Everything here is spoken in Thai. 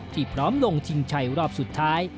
พร้อมลงชิงชัยรอบสุดท้าย